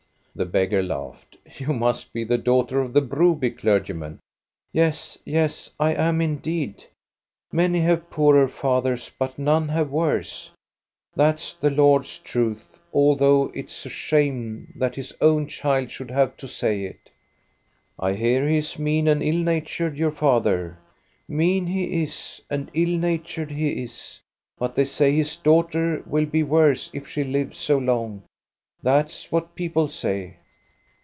The beggar laughed. " You must be the daughter of the Broby clergy man." Yes, yes, I am indeed. Many have poorer fathers, but none have worse. That's the Lord's truth, al though it's a shame that his own child should have to say it." " I hear he is mean and ill natured, your father." "Mean he is, and ill natured he is, but they say his daughter will be worse if she lives so long ; that 's what people say."